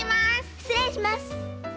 しつれいします。